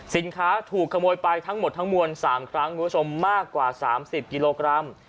สินค้าถูกขโมยไปทั้งหมดทั้งมวล๓ครั้งคุณผู้ชมมากกว่า๓๐กิโลกรัม